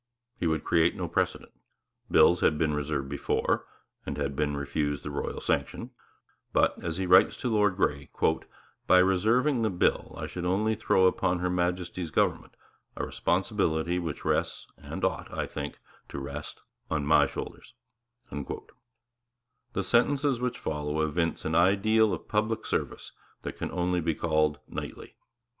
He would create no precedent. Bills had been reserved before, and had been refused the royal sanction; to reserve this one would be no departure from established custom; but, he writes to Lord Grey, 'by reserving the Bill, I should only throw upon Her Majesty's Government ... a responsibility which rests, and ought, I think, to rest, on my own shoulders.' The sentences which follow evince an ideal of public service that can only be called knightly.